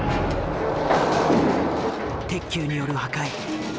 鉄球による破壊。